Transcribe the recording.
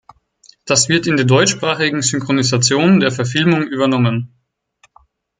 Das wird in der deutschsprachigen Synchronisation der Verfilmungen übernommen.